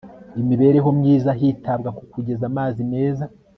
imibereho myiza hitabwa ku kugeza amazi meza